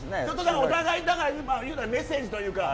お互いメッセージというか。